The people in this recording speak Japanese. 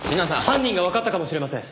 犯人がわかったかもしれません。